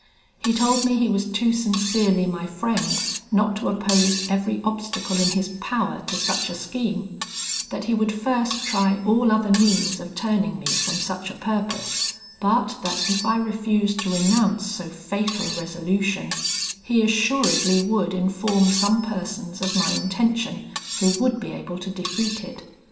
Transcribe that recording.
He told me he was too sincerely my friend not to oppose every obstacle in his power to such a scheme; that he would first try all other means of turning me from such a purpose, but that if I refused to renounce so fatal a resolution, he assuredly would inform some persons of my intention, who would be able to defeat it.